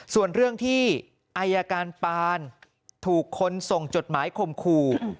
ส่วนเรื่องที่อายการปานถูกคนส่งจดหมายคมคู่